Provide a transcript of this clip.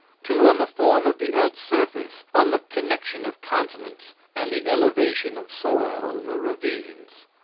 Two on the form of the earth's surface, on the connection of continents, and the elevation of soil over ravines.